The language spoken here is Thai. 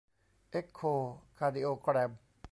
เอ็คโคคาร์ดิโอแกรม